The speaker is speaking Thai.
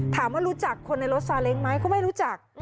ถามว่ารู้จักคนในรถซาเล็งไหมเขาไม่รู้จัก